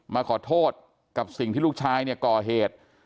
มาขอโทษกับสิ่งที่ลูกชายเนี่ยก่อเหตุ